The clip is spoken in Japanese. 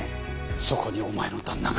そこにお前の旦那がいる。